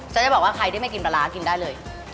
จะบอกว่าใครได้ไม่กินปลาร้ากินได้เลย